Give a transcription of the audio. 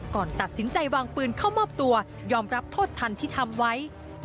ก่อนตัดสินใจวางปืนเข้ามอบตัวยอมรับโทษทันที่ทำไว้